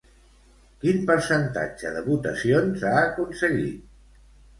Quin percentatge de votacions ha aconseguit?